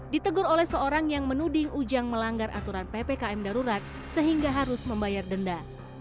ditegur oleh seorang yang menuding ujang melanggar aturan ppkm darurat sehingga harus membayar denda